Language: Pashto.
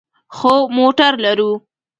خو موټر لرو